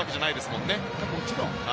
もちろん。